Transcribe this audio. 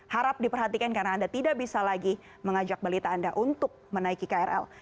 harap diperhatikan karena anda tidak bisa lagi mengajak balita anda untuk menaiki krl